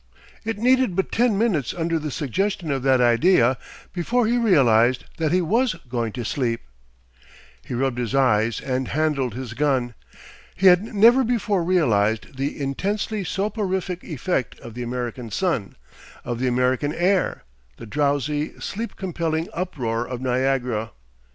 It needed but ten minutes under the suggestion of that idea, before he realised that he was going to sleep! He rubbed his eyes and handled his gun. He had never before realised the intensely soporific effect of the American sun, of the American air, the drowsy, sleep compelling uproar of Niagara.